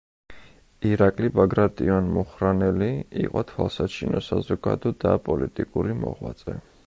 ირაკლი ბაგრატიონ-მუხრანელი იყო თვალსაჩინო საზოგადო და პოლიტიკური მოღვაწე.